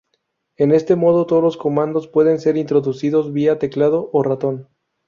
En este modo todos los comandos pueden ser introducidos vía teclado o ratón.